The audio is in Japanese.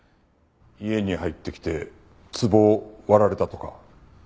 家に入ってきて壺を割られたとか。